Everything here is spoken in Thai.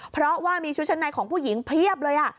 เพราะว่ามีชุดชั้นในของผู้หญิงเพียบเลย